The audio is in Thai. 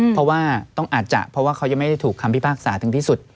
เพราะว่าต้องอาจจะเพราะว่าเขายังไม่ได้ถูกคำพิพากษาถึงที่สุด